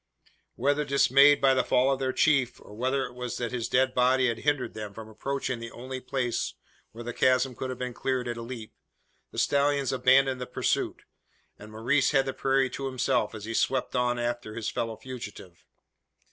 Whether dismayed by the fall of their chief or whether it was that his dead body had hindered them from approaching the only place where the chasm could have been cleared at a leap the stallions abandoned the pursuit; and Maurice had the prairie to himself as he swept on after his fellow fugitive.